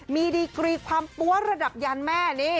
มีดีกรีความปั้วระดับยานแม่นี่